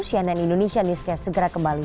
cnn indonesia newscast segera kembali